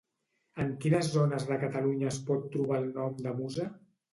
En quines zones de Catalunya es pot trobar el nom de Musa?